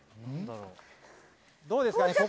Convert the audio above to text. どうですか？